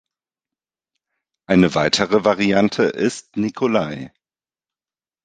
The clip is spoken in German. Eine weitere Variante ist Nikolai.